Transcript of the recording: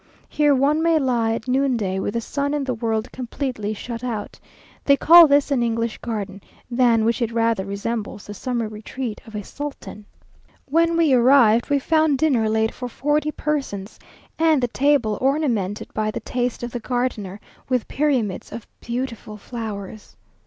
Here one may lie at noonday, with the sun and the world completely shut out. They call this an English garden, than which it rather resembles the summer retreat of a sultan. When we arrived, we found dinner laid for forty persons, and the table ornamented by the taste of the gardener, with pyramids of beautiful flowers.